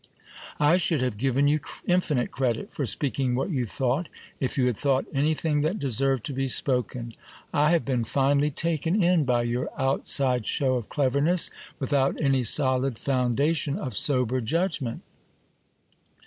I should have given you infinite credit for speaking what you thought, if you had thought anything that deserved to be spoken. I have been finely taken in by your outside shew of cleverness, without any solid foundation of sober judgment